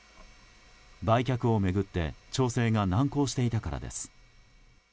売却を巡って調整が難航していたからです。